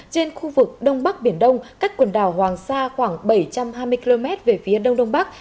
trên khu vực đông bắc biển đông cách quần đảo hoàng sa khoảng bảy trăm hai mươi km về phía đông đông bắc